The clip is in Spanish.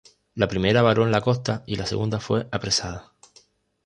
La primera varó en la costa y la segunda fue apresada.